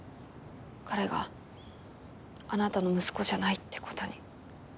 彼があなたの息子じゃないって事に。